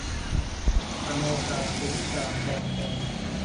อโนชา สุวิชากรพงศ์